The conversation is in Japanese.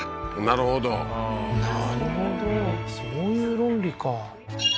なるほどああーなるほどそういう論理か